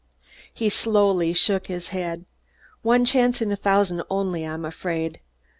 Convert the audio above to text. He slowly shook his head. "One chance in a thousand only, I'm afraid.